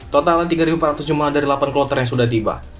total tiga empat ratus jumlah dari delapan kloter yang sudah tiba